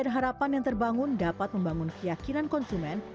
dan harapan yang terbangun dapat membangun keyakinan konsumen